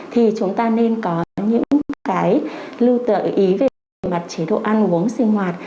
thì chúng ta nên có những cái lưu tự ý về mặt chế độ ăn uống sinh hoạt